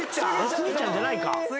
スギちゃんじゃないか？